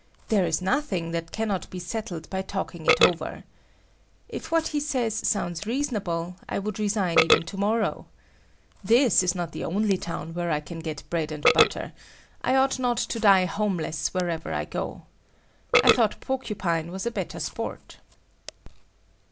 There is nothing that cannot be settled by talking it over. If what he says sounds reasonable, I would resign even tomorrow. This is not the only town where I can get bread and butter; I ought not to die homeless wherever I go. I thought Porcupine was a better sport.